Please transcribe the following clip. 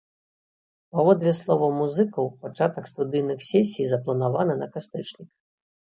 Паводле словаў музыкаў, пачатак студыйных сесій запланаваны на кастрычнік.